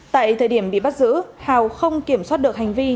tại thời điểm bị bắt giữ hào không kiểm soát được hành vi